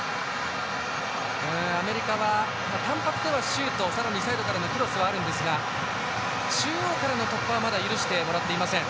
アメリカは単発ではシュートさらにサイドからのクロスはあるんですが中央からの突破はまだ許してもらっていません。